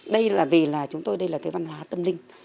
đây là vì là chúng tôi đây là cái văn hóa tâm linh